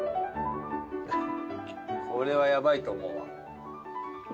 これはやばいと思うわ。